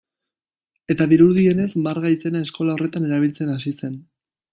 Eta dirudienez Marga izena eskola horretan erabiltzen hasi zen.